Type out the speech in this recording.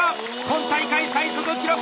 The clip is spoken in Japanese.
今大会最速記録！